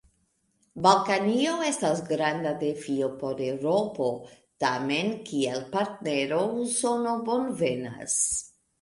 Balkanio estas granda defio por Eŭropo: tamen kiel partnero Usono bonvenas.